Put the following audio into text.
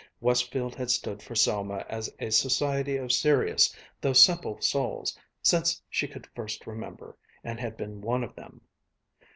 Westfield had stood for Selma as a society of serious though simple souls since she could first remember and had been one of them.